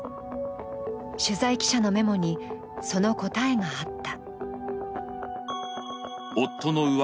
取材記者のメモに、その答えがあった。